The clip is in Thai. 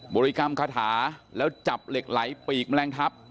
ริกรรมคาถาแล้วจับเหล็กไหลปีกแมลงทัพ